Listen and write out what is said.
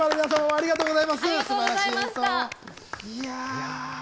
ありがとうございます。